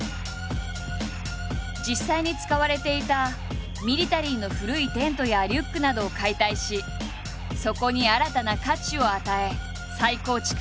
実際に使われていたミリタリーの古いテントやリュックなどを解体しそこに新たな価値を与え再構築。